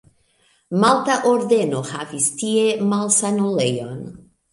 Malta Ordeno havis tie malsanulejon.